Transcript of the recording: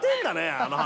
あの話。